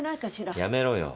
やめろよ。